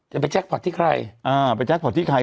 ไปแจ็คพอร์ตที่ใครอ่าไปแจ็คพอร์ตที่ใคร